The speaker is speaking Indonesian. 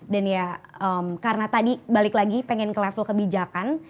dan ya karena tadi balik lagi pengen ke level kebijakan